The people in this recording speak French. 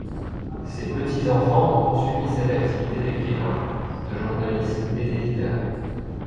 Ses petits-enfants ont poursuivi cette activité d'écrivain, de journaliste et d'éditeur.